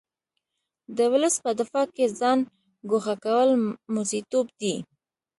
د ولس په دفاع کې ځان ګوښه کول موزیتوب دی.